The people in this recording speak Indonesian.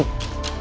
bangun susu goreng